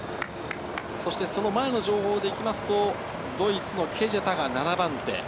前の情報でいきますと、ドイツのケジェタが７番手。